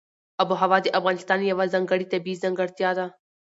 آب وهوا د افغانستان یوه ځانګړې طبیعي ځانګړتیا ده.